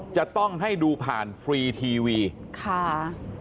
จะต้องให้ดูผ่านฟรีทีวีค่ะ